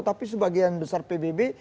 tapi sebagian besar pbb